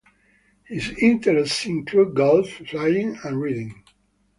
His interests include golf, flying and reading.